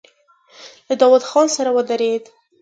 له داوود خان سره ودرېدل.